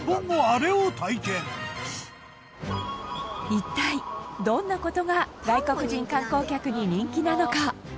一体どんな事が外国人観光客に人気なのか？